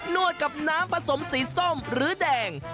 วดกับน้ำผสมสีส้มหรือแดง